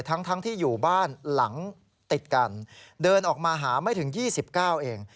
ทั้งที่อยู่บ้านหลังติดกันเดินออกมาหาไม่ถึง๒๙เอง